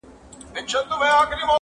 زه خو ځکه لېونتوب په خوښۍ نمانځم,